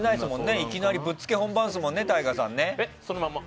いきなりぶっつけ本番ですねＴＡＩＧＡさんね。